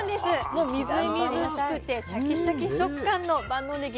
もうみずみずしくてシャキシャキ食感の万能ねぎ。